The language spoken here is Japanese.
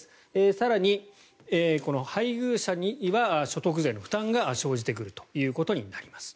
更に配偶者には所得税の負担が生じてくるということになります。